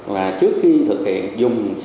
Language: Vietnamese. là trước khi thực hiện dùng xanh để đốt